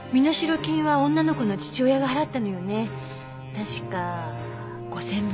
確か５０００万。